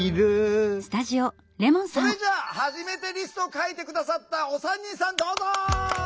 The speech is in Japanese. それじゃあ「はじめてリスト」を書いて下さったお三人さんどうぞ！